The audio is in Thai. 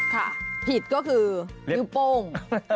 ค่ะผิดก็คือนิ้วโป้ง